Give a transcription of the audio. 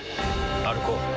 歩こう。